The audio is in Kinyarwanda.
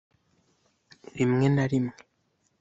rimwe na rimwe,